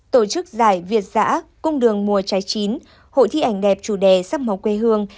tổ chức giải việt giã cung đường mùa trái chín hội thi ảnh đẹp chủ đề sắc màu quê hương